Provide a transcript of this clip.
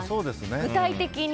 具体的に。